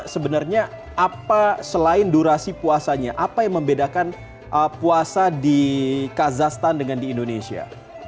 sebenarnya apa selain durasi puasanya apa yang membedakan puasa di kazastan dengan di indonesia